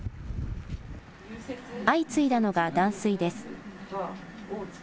相次いだのが断水です。